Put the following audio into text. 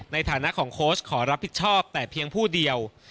ในฐานะของโค้ชขอรับผิดชอบแต่เพียงผู้เดียว